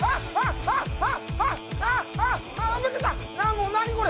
もう何これ？